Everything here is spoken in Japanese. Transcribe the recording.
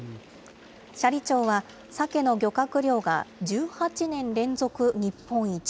斜里町はサケの漁獲量が、１８年連続日本一。